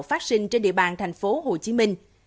phát sinh trên địa bàn thành phố hồ chí minh